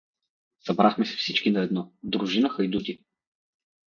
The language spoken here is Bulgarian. Събрахме се всички наедно — дружина хайдути.